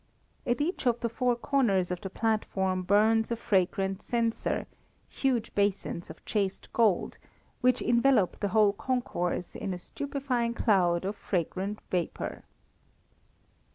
At each of the four corners of the platform burns a fragrant censer huge basins of chased gold which envelop the whole concourse in a stupefying cloud of fragrant vapour.